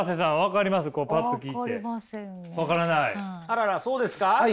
あららそうですか？